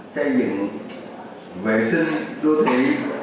xây dựng vệ sinh đô thị